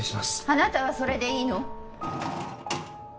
あなたはそれでいいの？